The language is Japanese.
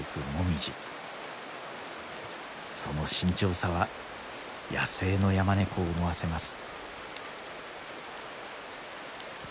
その慎重さは野生のヤマネコを思わせます。